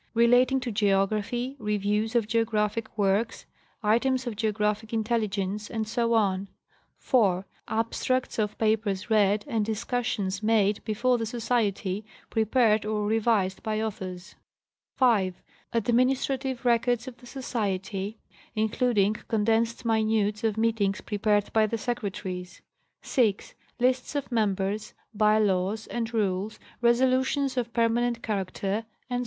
relating to geography, reviews of geographic works, items of geographic intelligence, etc.; (4) abstracts of papers read and discussions made before the Society, prepared or revised by authors ; (5) administrative records of the Society, including con ~ densed minutes of meetings prepared by the secretaries ; (6) lists _ of members, by laws and rules, resolutions of permanent charac ter, etc.